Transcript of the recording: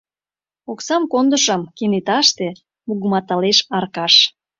Оксам кондышым, — кенеташте мугыматылеш Аркаш.